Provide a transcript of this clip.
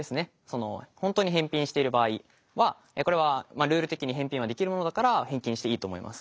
本当に返品している場合はこれはルール的に返品はできるものだから返金していいと思います。